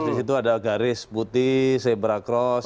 di situ ada garis putih zebra cross